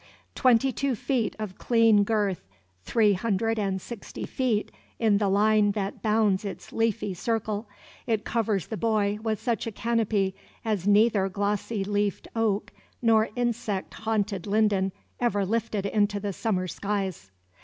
Twenty two feet of clean girth, three hundred and sixty feet in the line that bounds its leafy circle, it covers the boy with such a canopy as neither glossy leafed oak nor insect haunted linden ever lifted into the summer skies.